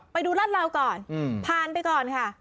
ไปดูรัดราวก่อนผ่านไปก่อนค่ะ